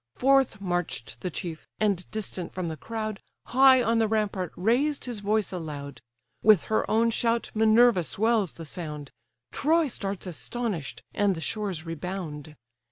Forth march'd the chief, and distant from the crowd, High on the rampart raised his voice aloud; With her own shout Minerva swells the sound; Troy starts astonish'd, and the shores rebound.